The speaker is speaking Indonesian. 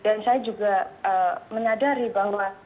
dan saya juga menyadari bahwa